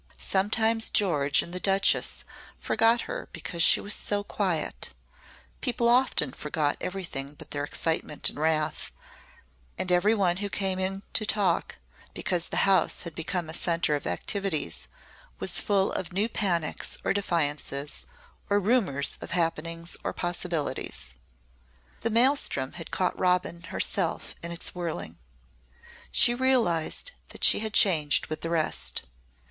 Sometimes George and the Duchess forgot her because she was so quiet people often forgot everything but their excitement and wrath and every one who came in to talk, because the house had become a centre of activities, was full of new panics or defiances or rumours of happenings or possibilities. The maelstrom had caught Robin herself in its whirling. She realised that she had changed with the rest.